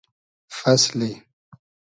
فئسلی